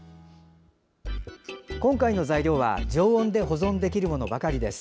今回の材料は常温で保存できるものばかりです。